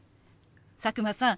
佐久間さん